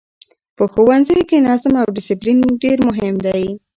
په ښوونځیو کې نظم او ډسپلین ډېر مهم دی.